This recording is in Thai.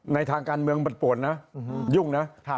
ทางการเมืองมันปวดนะยุ่งนะ